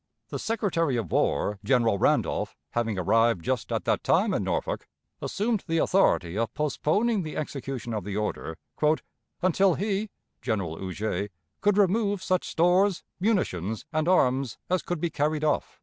The Secretary of War, General Randolph, having arrived just at that time in Norfolk, assumed the authority of postponing the execution of the order "until he [General Huger] could remove such stores, munitions, and arms as could be carried off."